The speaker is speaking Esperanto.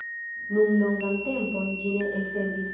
Nun longan tempon ĝi ne elsendis.